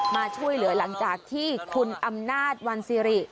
มาช่วยเหลือหลังจากที่คุณอำนาจวันสิริ